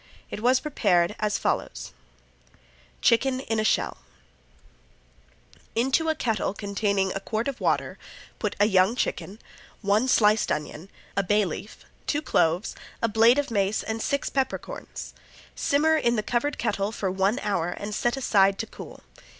It was prepared as follows: Chicken in a Shell Into a kettle containing a quart of water put a young chicken, one sliced onion, a bay leaf, two cloves, a blade of mace and six pepper corns. Simmer in the covered kettle for one hour and set aside to cool.